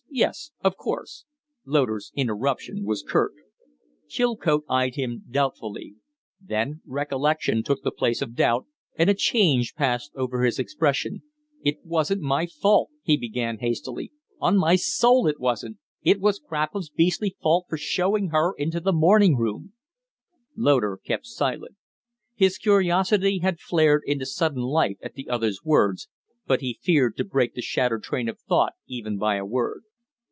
Yes, of course." Loder's interruption was curt. Chilcote eyed him doubtfully. Then recollection took the place of doubt, and a change passed over his expression. "It wasn't my fault," he began, hastily. "On my soul, it wasn't! It was Crapham's beastly fault for showing her into the morning room " Loder kept silent. His curiosity had flared into sudden life at the other's words, but he feared to break the shattered train of thought even by a word.